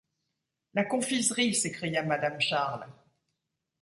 La confiserie! s’écria madame Charles.